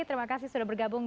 terima kasih sudah bergabung